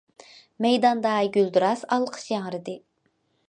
مەيداندا گۈلدۈراس ئالقىش ياڭرىدى.